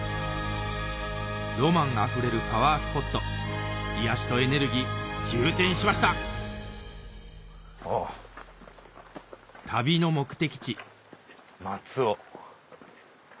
ロマンあふれるパワースポット癒やしとエネルギー充填しました旅の目的地「松尾」。